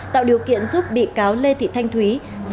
tạo điều kiện giúp bị cáo lê thị thanh thúy